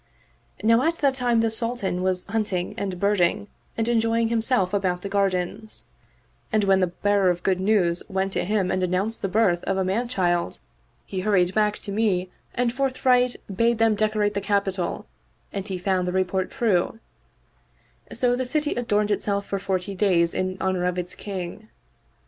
Now at that time the Sultan was hunting and birding and enjoying himself about the gar dens ; and when the bearer of good news went to him and announced the birth of a man child he hurried back to me 34 The Craft of the Three Sharpers ana forthright bade them decorate the capital and he found the report true ; so the city adorned itself for forty days in honor of its King.